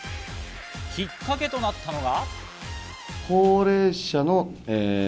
きっかけとなったのは。